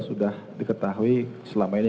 sudah diketahui selama ini